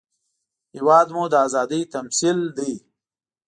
هېواد مو د ازادۍ تمثیل دی